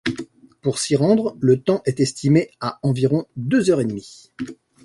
Pour s'y rendre, le temps est estimé à environ deux heures et demie.